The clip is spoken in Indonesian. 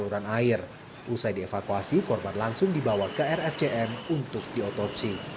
terus di evakuasi korban langsung dibawa ke rscn untuk diotopsi